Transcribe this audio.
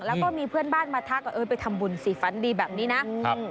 แล้วก็มีเพื่อนบ้านมาทักว่าเออไปทำบุญสิฝันดีแบบนี้นะครับ